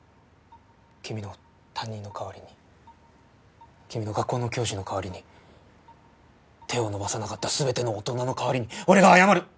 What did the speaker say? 君の担任の代わりに君の学校の教師の代わりに手を伸ばさなかった全ての大人の代わりに俺が謝る！